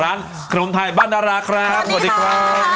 ท่านแช่มพิมพ์ไทยบ้าน่ารักครับสวัสดีค่ะ